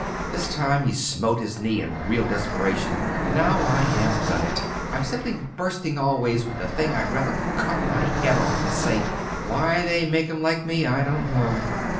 this time he smote his knee in real desperation "now I have done it. I'm simply bursting always with the thing I'd rather cut my head off than say. Why they make 'em like me I don't know!"